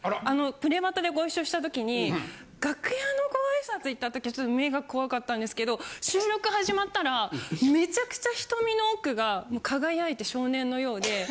『プレバト！！』でご一緒した時に楽屋のご挨拶行った時ちょっと目が怖かったんですけど収録始まったらめちゃくちゃ瞳の奥が輝いて少年のようで。